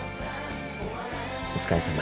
お疲れさま。